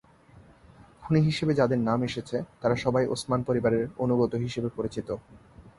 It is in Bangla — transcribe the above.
খুনি হিসেবে যাদের নাম এসেছে, তারা সবাই ওসমান পরিবারের অনুগত হিসেবে পরিচিত।